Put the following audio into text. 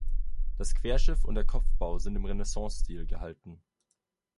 Das Querschiff und der Kopfbau sind im Renaissancestil gehalten.